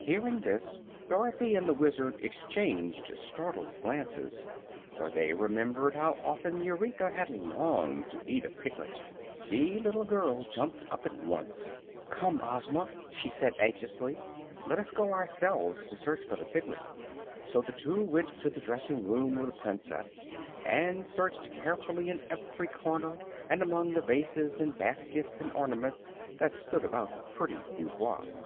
Hearing this, Dorothy and the Wizard exchanged startled glances, for they remembered how often Eureka had longed to eat a piglet. The little girl jumped up at once. "Come, Ozma," she said, anxiously; "let us go ourselves to search for the piglet." So the two went to the dressing room of the Princess and searched carefully in every corner and among the vases and baskets and ornaments that stood about the pretty boudoir.